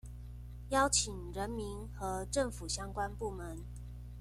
邀請人民和政府相關部門